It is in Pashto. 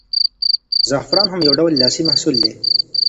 زعفران هم یو ډول لاسي محصول دی.